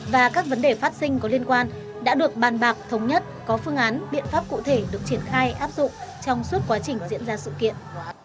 và các vấn đề phát sinh có liên quan đã được bàn bạc thống nhất có phương án biện pháp cụ thể được triển khai áp dụng trong suốt quá trình diễn ra sự kiện